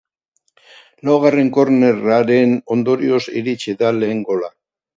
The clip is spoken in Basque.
Laugarren kornerraren ondorioz iritsi da lehen gola.